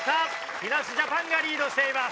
木梨ジャパンがリードしています。